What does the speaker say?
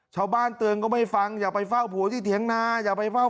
ชาวบ้านเตือนก็ไม่ฟังอย่าไปเฝ้าผัวที่เถียงนา